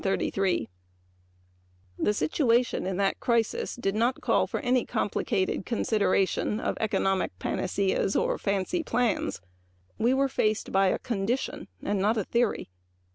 That situation in that crisis did not call for any complicated consideration of economic panaceas or fancy plans. We were faced by a condition and not a theory.